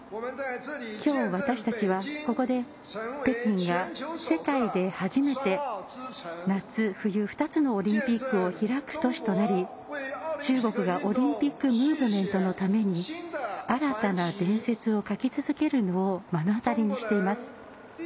今日、私たちはここで北京が世界で初めて夏、冬２つのオリンピックを開く都市となり中国がオリンピックムーブメントのため新たな伝説を書き続けるのを目の当たりにしています。